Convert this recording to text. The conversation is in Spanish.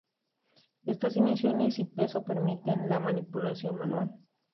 Estas dimensiones y peso permitían la manipulación manual.